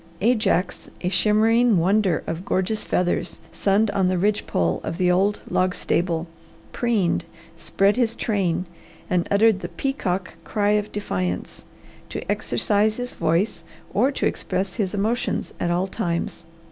Ajax, a shimmering wonder of gorgeous feathers, sunned on the ridge pole of the old log stable, preened, spread his train, and uttered the peacock cry of defiance, to exercise his voice or to express his emotions at all times.